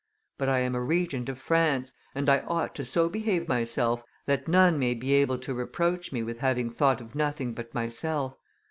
But I am Regent of France, and I ought to so behave myself that none may be able to reproach me with having thought of nothing but myself.